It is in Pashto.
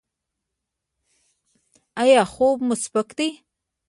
ایا خوب مو سپک دی؟